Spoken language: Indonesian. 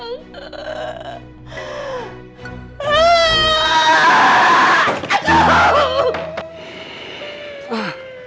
gak ada orang